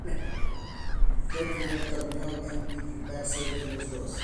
Fue el primer torneo en disputarse de los dos.